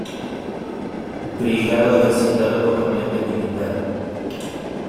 Brigada del citado componente militar.